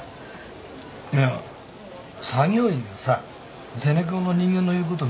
いや作業員がさゼネコンの人間の言うこと無視したんだ。